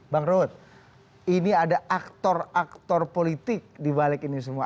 bang ruhut ini ada aktor aktor politik dibalik ini semua